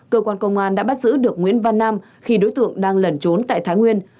cơ quan công an đã bắt giữ được nguyễn văn nam khi đối tượng đang lẩn trốn tại thái nguyên